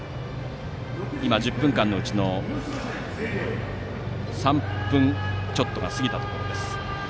１０分間のうちの３分ちょっとが過ぎたところです。